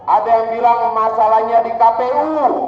ada yang bilang masalahnya di kpu